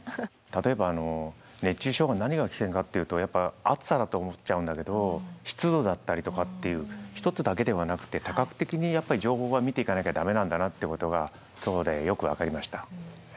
例えば熱中症が何が危険かっていうとやっぱり暑さだと思っちゃうんだけど湿度だったりとかっていう一つだけではなくて多角的に情報は見ていかなきゃ駄目なんだなっていうことが今日でよく分かりました。